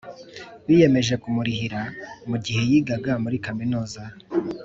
Biyemeje Kumurihira Mu Gihe Yigaga Muri kaminuza